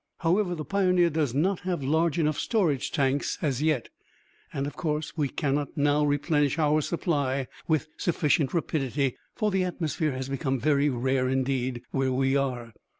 However, the Pioneer does not have large enough storage tanks as yet, and, of course, we cannot now replenish our supply with sufficient rapidity, for the atmosphere has become very rare indeed where we are.